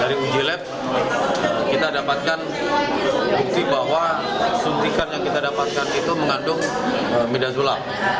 dari uji lab kita dapatkan bukti bahwa suntikan yang kita dapatkan itu mengandung middzula